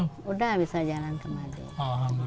sudah bisa jalan ke majelis belum